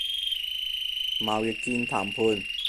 貿易戰談判